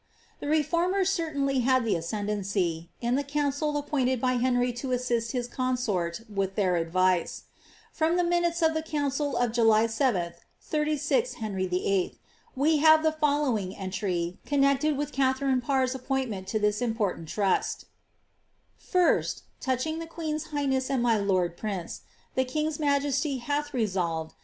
The »rmers certainly had the ascendancy, in the council appointed by iry to assist his consort with their advice. Among the Minutes of incil of July 7, 36 Henry VIII., we have the following entr\\ con ted with Katharine Parrs appointment to this important trust :— Fif ft, um'^hing The queen's Iiighness and my lord prince. The king'A majestj I resolved.